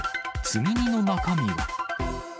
積み荷の中身は？